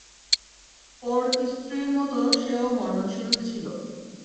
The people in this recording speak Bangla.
ওর স্ত্রীর মতো সেও মরণশীল ছিল।